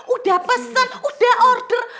udah pesen udah order